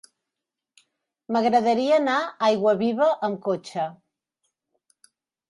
M'agradaria anar a Aiguaviva amb cotxe.